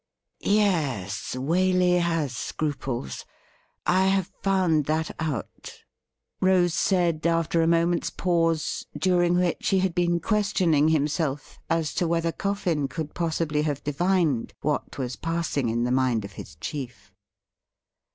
' Yes, Waley has scruples ; I have found that out,' Rose said after a moment's pause, during which he had been questioning himself as to whether Coffin could possibly have divined what was passing in the mind of his chief.